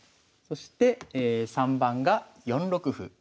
そして３番が４六歩。